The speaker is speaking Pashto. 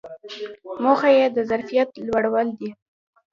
موخه یې د ظرفیت لوړول دي.